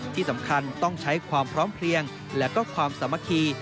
ที่สำคัญต้องใช้ความพร้อมเพลียงและก็ความสามัคคี